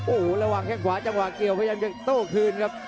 โอ้โหระหว่างแค่งขวาจังหวะเกี่ยวพยายามจะโต้คืนครับ